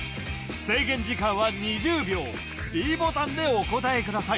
制限時間は２０秒ｄボタンでお答えください